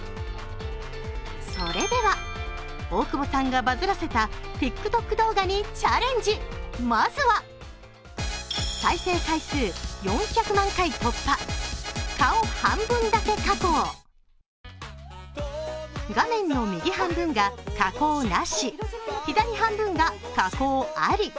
それでは大久保さんがバズらせたＴｉｋＴｏｋ動画にチャレンジ、まずは画面の右半分が加工なし左半分が加工あり。